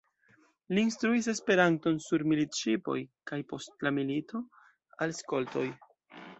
Li instruis Esperanton sur militŝipoj kaj, post la milito, al skoltoj.